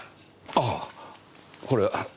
ああこれは失礼。